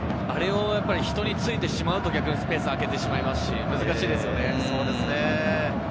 人についてしまうと逆にスペースを空けてしまいますし、難しいですよね。